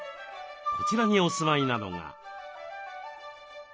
こちらにお住まいなのが。